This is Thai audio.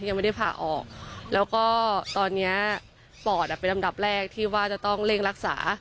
ยังไม่ได้ผ่าออกแล้วก็ตอนนี้ปอดเป็นลำดับแรกที่ว่าจะต้องเร่งรักษา